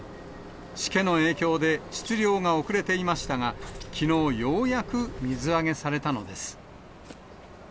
しけの影響で、出漁が遅れていましたが、きのう、ようやく水揚げされたのです。